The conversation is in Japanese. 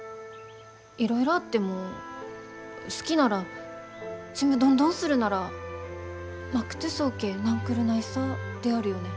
いろいろあっても好きならちむどんどんするならまくとぅそーけーなんくるないさであるよね？